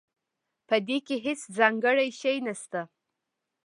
پدې کې هیڅ ځانګړی شی نشته